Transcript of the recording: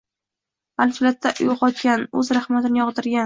Gʻaflatdan uygʻotgan, oʻz rahmatini yogʻdirgan!